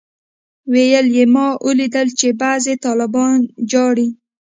ويل يې ما اوليدل چې بعضي طلبا جاړي.